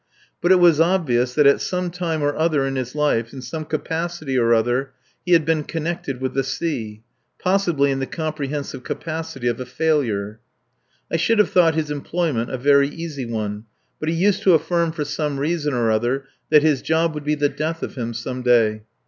But it was obvious that at some time or other in his life, in some capacity or other, he had been connected with the sea. Possibly in the comprehensive capacity of a failure. I should have thought his employment a very easy one, but he used to affirm for some reason or other that his job would be the death of him some day.